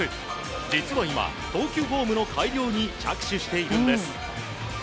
実は今、投球フォームの改良に着手しているんです。